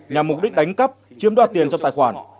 nhằm mục đích đánh cắp chiếm đoạt tiền trong tài khoản